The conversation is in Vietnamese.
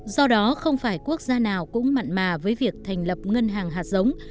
do đó không phải quốc gia nào cũng mặn mà với việc thành lập ngân hàng hạt giống